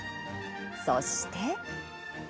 そして。